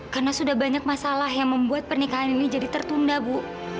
karena sudah banyak masalah yang membuat pernikahan ini jadi tertunda bu